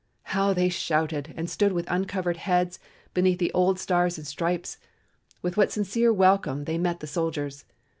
How they shouted and stood with uncovered heads beneath the old Stars and Stripes. With what sincere welcome they met the soldiers.